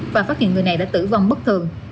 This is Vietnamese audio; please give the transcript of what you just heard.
và phát hiện người này đã tử vong bất thường